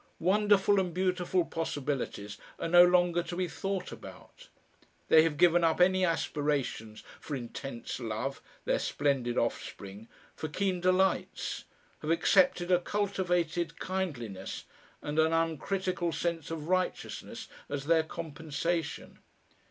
Wonderful and beautiful possibilities are no longer to be thought about. They have given up any aspirations for intense love, their splendid offspring, for keen delights, have accepted a cultivated kindliness and an uncritical sense of righteousness as their compensation.